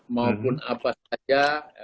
maupun apa saja